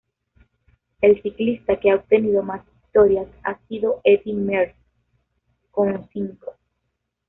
El ciclista que ha obtenido más victorias ha sido Eddy Merckx con cinco.